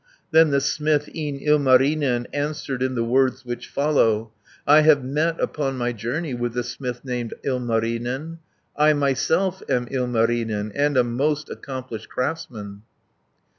210 Then the smith, e'en Ilmarinen, Answered in the words which follow: "I have met upon my journey With the smith named Ilmarinen; I myself am Ilmarinen, And a most accomplished craftsman."